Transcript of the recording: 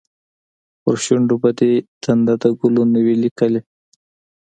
پر شونډو به دې تنده، د کلونو وي لیکلې